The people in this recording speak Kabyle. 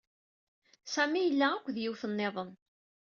Sami yella akked yiwet nniḍen.